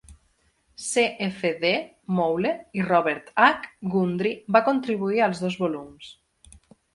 C. F. D. Moule i Robert H. Gundry va contribuir als dos volums.